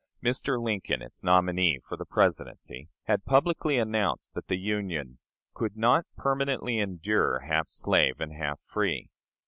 Mr. Lincoln, its nominee for the Presidency, had publicly announced that the Union "could not permanently endure, half slave and half free."